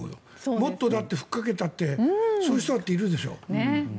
もっと吹っかけたってそういう人だっているでしょ。